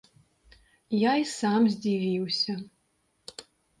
Я і сам здзівіўся.